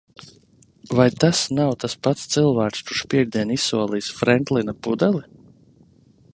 Vai tas nav tas pats cilvēks, kurš piektdien izsolīs Frenklina pudeli?